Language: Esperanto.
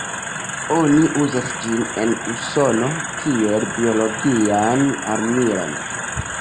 Oni uzas ĝin en Usono kiel biologian armilon.